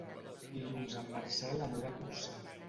Dilluns en Marcel anirà a Corçà.